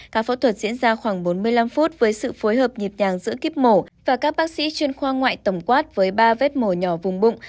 ca phẫu thuật diễn ra khoảng bốn mươi năm phút với sự phối hợp nhịp nhàng giữa kíp mổ và các bác sĩ chuyên khoa ngoại tổng quát với ba vết mổ nhỏ vùng bụng